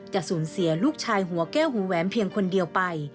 สูญเสียลูกชายหัวแก้วหูแหวนเพียงคนเดียวไป